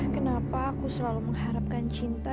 kenapa aku selalu mengharapkan cinta